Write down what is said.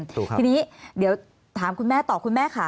ถูกครับทีนี้เดี๋ยวถามคุณแม่ต่อคุณแม่ค่ะ